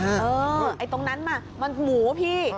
เออไอตรงนั้นมามันหมูพี่